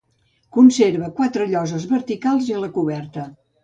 Conserva quatre lloses verticals i la de coberta.